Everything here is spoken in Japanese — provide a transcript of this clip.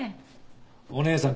お義姉さん